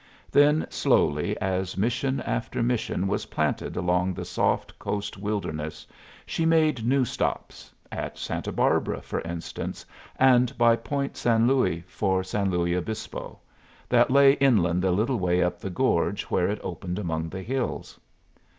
Then, slowly, as mission after mission was planted along the soft coast wilderness, she made new stops at Santa Barbara, for instance; and by Point San Luis for San Luis Obispo, that lay inland a little way up the gorge where it opened among the hills.